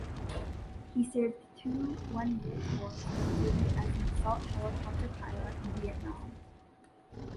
He served two one-year tours of duty as an assault helicopter pilot in Vietnam.